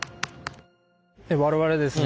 我々ですね